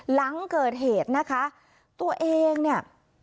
หลังเกิดเหตุนะคะตัวเองเนี่ย